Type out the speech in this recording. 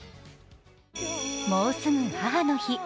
もうすぐ母の日。